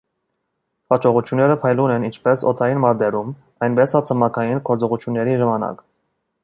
Հաջողությունները փայլուն են ինչպես օդային մարտերում, այնպես էլ ցամաքային գործողությունների ժամանակ։